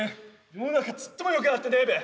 世の中ちっともよくなってねえべ。